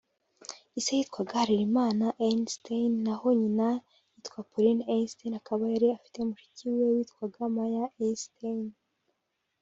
Ise yitwaga Helimani Einstein naho nyina yiwa Poline Einstein akaba yari afite mushiki we witwaga Maya Einstein